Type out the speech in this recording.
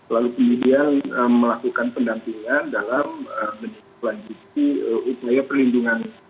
lalu kemudian melakukan pendampingan dalam menindaklanjuti upaya perlindungan